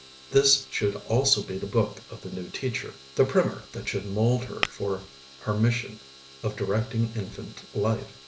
This should also be the book of the new teacher, the primer that should mold her for her mission of directing infant life.